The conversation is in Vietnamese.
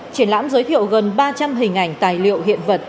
triển lãm giới thiệu gần ba trăm linh hình ảnh tài liệu hiện vật